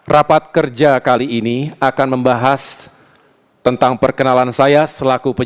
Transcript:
rapat kerja kali ini akan membahas tentang perkenalan saya selaku pejabat